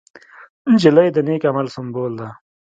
نجلۍ د نېک عمل سمبول ده.